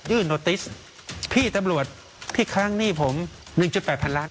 โนติสพี่ตำรวจที่ค้างหนี้ผม๑๘พันล้าน